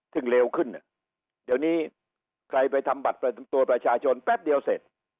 ซึ่งเลวขึ้นเดี๋ยวนี้ใครไปทำบัตรประจำตัวประชาชนแป๊บเดียวเสร็จ